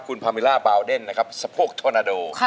คุณพามิล่าบาวเดนนะครับสะโพกทอนาโด